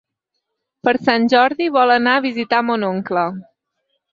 Per Sant Jordi vol anar a visitar mon oncle.